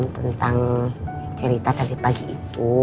tentang cerita tadi pagi itu